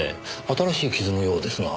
新しい傷のようですが。